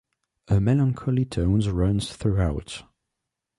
A melancholy tone runs throughout.